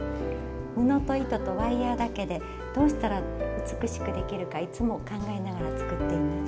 布と糸とワイヤーだけでどうしたら美しくできるかいつも考えながら作っています。